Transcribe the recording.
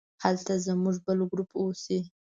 هلته زموږ بل ګروپ اوسي.